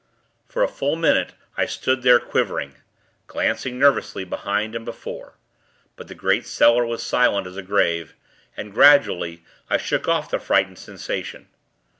For a full minute, I stood there, quivering glancing, nervously, behind and before; but the great cellar was silent as a grave, and, gradually, I shook off the frightened sensation.